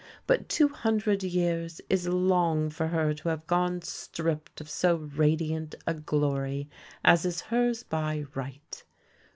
But two hundred years is long for her to have gone stripped of so radiant a glory as is hers by right.